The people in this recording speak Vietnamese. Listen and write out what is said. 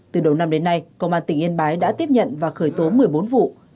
từ đầu năm đến nay công an tỉnh yên bái đã tiếp nhận và khởi tố một mươi bốn vụ